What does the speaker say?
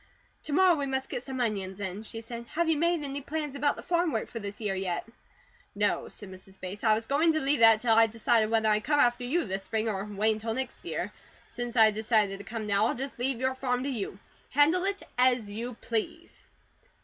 "To morrow we must get some onions in," she said. "Have you made any plans about the farm work for this year yet?" "No," said Mrs. Bates. "I was going to leave that till I decided whether I'd come after you this spring or wait until next. Since I decided to come now, I'll just leave your farm to you. Handle it as you please."